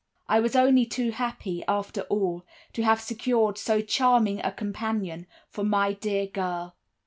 I was only too happy, after all, to have secured so charming a companion for my dear girl."